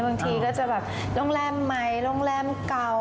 บางทีก็จะแบบโรงแรมใหม่โรงแรมเก่า